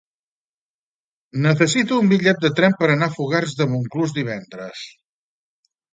Necessito un bitllet de tren per anar a Fogars de Montclús divendres.